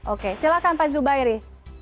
oke oke silakan pak zubairi